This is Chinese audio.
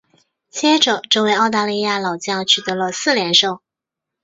接着这位澳大利亚老将取得了四连胜。